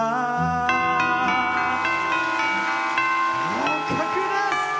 合格です！